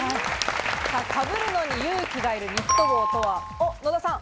かぶるのに勇気がいるニット帽とは野田さん。